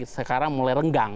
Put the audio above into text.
sekarang mulai renggang